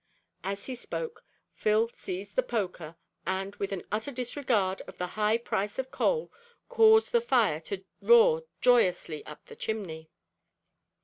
As he spoke, Phil seized the poker, and, with an utter disregard of the high price of coal, caused the fire to roar joyously up the chimney.